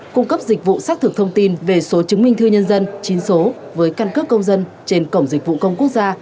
cung cấp dịch vụ xác thực thông tin về số chứng minh thư nhân dân chín số với căn cước công dân trên cổng dịch vụ công quốc gia